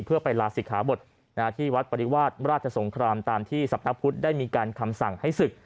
เพื่อไปลาศิกขาบทที่วัดปริวาสราชสงครามตามที่สำนักพุทธได้มีการคำสั่งให้ศึก